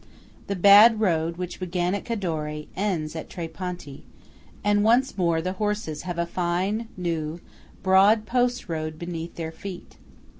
The bad road which began at Cadore ends at Tre Ponti, and once more the horses have a fine, new, broad post road beneath their feet.